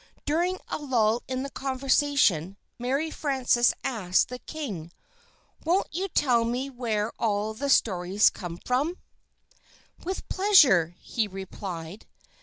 During a lull in the conversation, Mary Frances asked the King, "Won't you tell me where all the stories come from?" "With pleasure," he replied.